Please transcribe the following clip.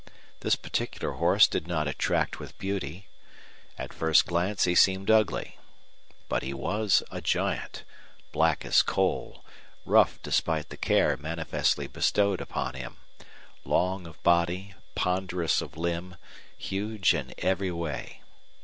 This particular horse did not attract with beauty. At first glance he seemed ugly. But he was a giant, black as coal, rough despite the care manifestly bestowed upon him, long of body, ponderous of limb, huge in every way.